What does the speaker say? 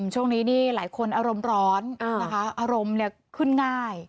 ช่วงนี้นี่หลายคนอารมณ์ร้อนนะคะอารมณ์ขึ้นง่าย